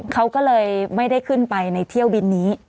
เขาก็เลยไม่ได้ขึ้นไปในเที่ยวบินนี้